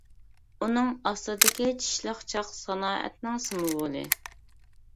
ئۇنىڭ ئاستىدىكى چىشلىق چاق سانائەتنىڭ سىمۋولى.